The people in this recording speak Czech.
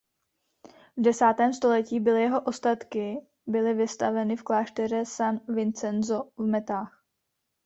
V desátém století byly jeho ostatky byly vystaveny v klášteře San Vincenzo v Metách.